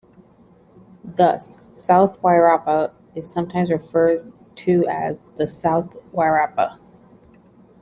Thus, South Wairarapa is sometimes referred to as "The South Wairarapa".